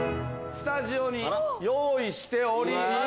スタジオに用意しております